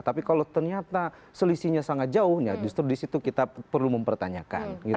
tapi kalau ternyata selisihnya sangat jauh ya justru disitu kita perlu mempertanyakan gitu kan